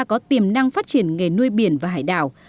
có tiềm năng phát triển nghề nuôi biển và hải đảo